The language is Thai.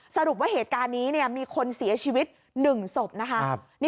สรุปว่าเหตุการณ์นี้มีคนเสียชีวิต๑ศพนะคะ